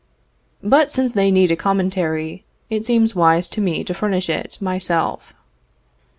But since they need a commentary, it seems wise to me to furnish it myself.